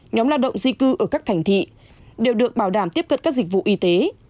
nhóm lao động di cư ở các thành thị đều được bảo đảm tiếp cận các dịch vụ y tế